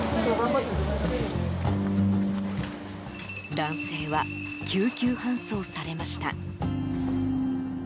男性は救急搬送されました。